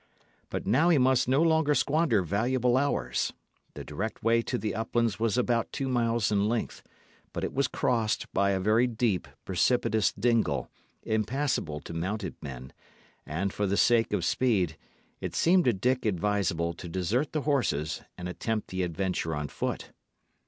But now he must no longer squander valuable hours. The direct way to the uplands was about two miles in length; but it was crossed by a very deep, precipitous dingle, impassable to mounted men; and for the sake of speed, it seemed to Dick advisable to desert the horses and attempt the adventure on foot.